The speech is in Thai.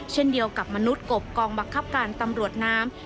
เช่นเดียวกับมนุษย์กบกองบังคับการตำรวจน้ำ